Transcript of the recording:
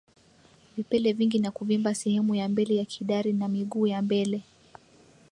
Vipele vingi na kuvimba sehemu ya mbele ya kidari na miguu ya mbele